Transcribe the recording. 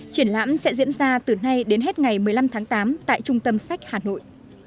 triển lãm sẽ diễn ra từ nay đến hết ngày một mươi năm tháng tám tại trung tâm sách hà nội